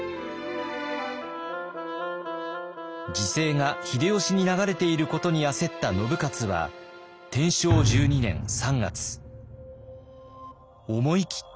時勢が秀吉に流れていることに焦った信雄は天正１２年３月思い切った行動に出ます。